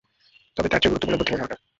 তবে তারচেয়েও গুরুত্বপূর্ণ বুদ্ধিমান হওয়াটা।